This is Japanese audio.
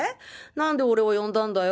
何で俺を呼んだんだよ？